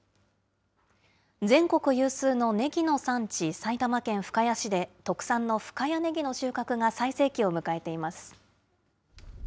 全国有数のねぎの産地、埼玉県深谷市で、特産の深谷ねぎの収穫が最盛期を迎えています。